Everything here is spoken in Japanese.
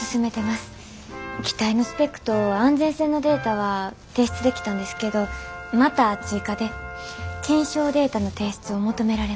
機体のスペックと安全性のデータは提出できたんですけどまた追加で検証データの提出を求められました。